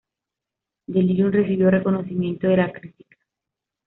Delirium recibió reconocimiento de la crítica.